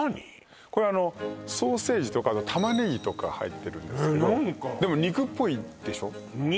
これあのソーセージとか玉ねぎとか入ってるんですけどでも肉っぽいでしょ？